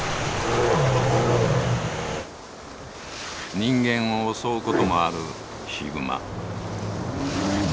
人間を襲うこともあるヒグマ。